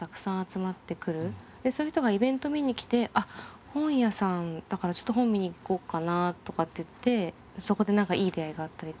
でそういう人がイベント見に来て「あっ本屋さんだからちょっと本見に行こうかな」とかって言ってそこで何かいい出会いがあったりとか。